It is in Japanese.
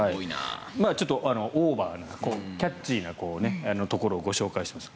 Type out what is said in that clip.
ちょっとオーバーなキャッチーなところをご紹介しますが。